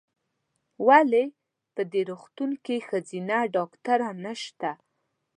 ولې په دي روغتون کې ښځېنه ډاکټره نشته ؟